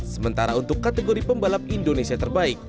sementara untuk kategori pembalap indonesia terbaik